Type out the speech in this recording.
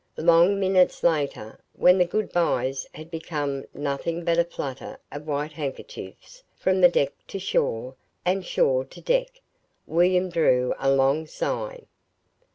Long minutes later, when the good byes had become nothing but a flutter of white handkerchiefs from deck to shore, and shore to deck, William drew a long sigh.